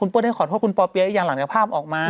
คุณเปิ้ลได้ขอโทษคุณปเปี๊ยะอีกอย่างหลังกับภาพออกมา